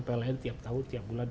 pln tiap tahun tiap bulan